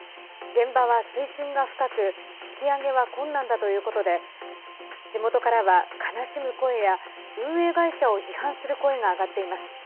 現場は水深が深く引き上げは困難だということで地元からは、悲しむ声や運営会社を批判する声が上がっています。